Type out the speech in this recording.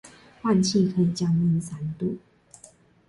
換氣可以降溫三度